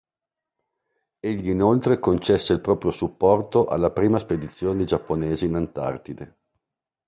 Egli inoltre concesse il proprio supporto alla prima spedizione giapponese in Antartide.